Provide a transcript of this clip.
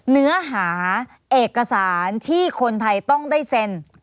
เนื้อหาเอกสารที่คนไทยต้องได้เซ็น